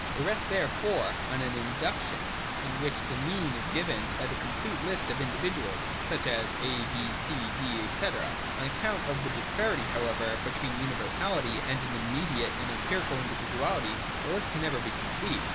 It rests therefore (2) on an Induction, in which the mean is given by the complete list of individuals as such, — a, b, c, d, &c. On account of the disparity, however, between universality and an immediate and empirical individuality, the list can never be complete.